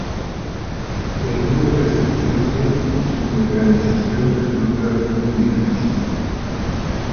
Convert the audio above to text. Es muy resistente y su mecanización resulta muy difícil.